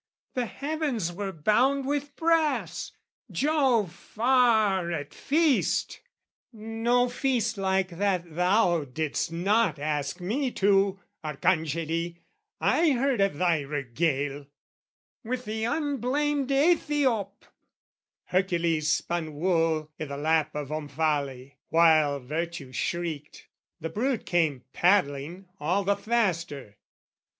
The heavens were bound with brass, Jove far at feast (No feast like that thou didst not ask me to, Arcangeli, I heard of thy regale!) With the unblamed Aethiop, Hercules spun wool I' the lap of Omphale, while Virtue shrieked The brute came paddling all the faster.